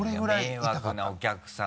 迷惑なお客さん。